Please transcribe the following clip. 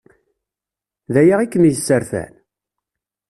D aya i kem-yesserfan?